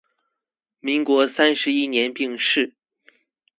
民国三十一年病逝。